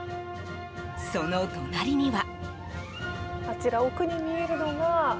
その隣には。